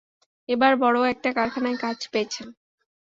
এবার বড় একটা কারখানায় কাজ পেয়েছেন।